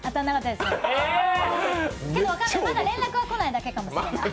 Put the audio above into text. でも分からない、まだ連絡が来ないだけかもしれない。